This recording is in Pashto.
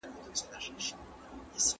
د راتلونکي په اړه فیصلې تل له شک سره مل وي.